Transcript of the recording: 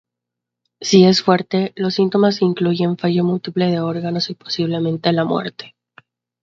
Si es fuerte, los síntomas incluyen fallo múltiple de órganos y posiblemente la muerte.